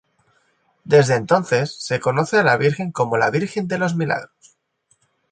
Desde entonces se conoce a la virgen como la "Virgen de los Milagros".